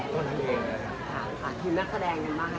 วันนั้นเองนะครับ